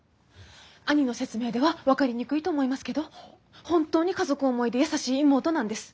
兄の説明では分かりにくいと思いますけど本当に家族思いで優しい妹なんです。